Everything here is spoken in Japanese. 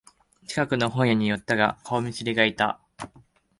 近くの本屋に寄ったら顔見知りがいた